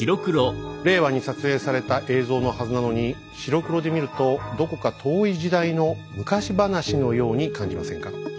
令和に撮影された映像のはずなのに白黒で見るとどこか遠い時代の昔話のように感じませんか？